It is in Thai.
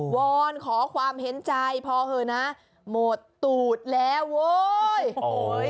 อนขอความเห็นใจพอเถอะนะหมดตูดแล้วโว้ยโอ้โห